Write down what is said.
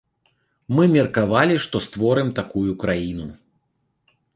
Мы меркавалі, што створым такую краіну.